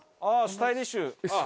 ああスタイリッシュ。